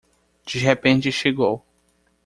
De repente chegou